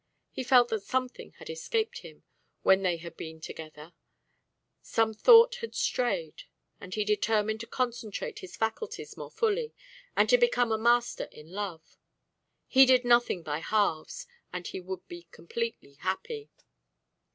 He felt that something had escaped him when they had been together, some thought had strayed; and he determined to concentrate his faculties more fully and to become a master in love. He did nothing by halves, and he would be completely happy.